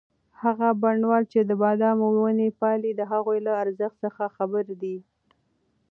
هغه بڼوال چې د بادامو ونې پالي د هغوی له ارزښت څخه خبر دی.